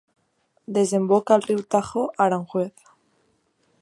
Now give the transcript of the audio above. Desemboca al riu Tajo a Aranjuez.